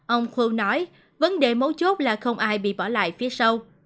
ông khô nói vấn đề mấu chốt là không ai bị bỏ lại phía sau